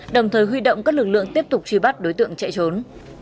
đồng thời huy động các lực lượng tiếp tục truy bắt đối tượng chạy trốn